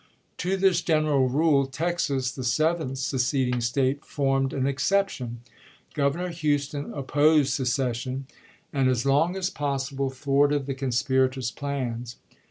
To this general rule Texas, the seventh seceding State, formed an exception. Governor Houston opposed secession, and as long as possible thwarted the conspirators' plans.